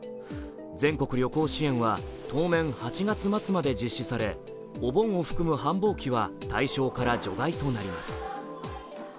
全国旅行支援は当面８月末まで実施されお盆を含む繁忙期は対象から除外となります。